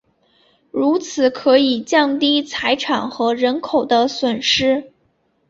如此可以降低财产和人口的损失。